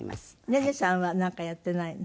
ネネさんはなんかやってないの？